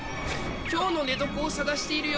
今日の寝床を探しているよ。